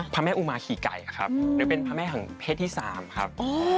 พระแม่อุมาขี่ไก่ครับหรือเป็นพระแม่แห่งเพศที่๓ครับ